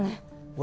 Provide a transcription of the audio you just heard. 俺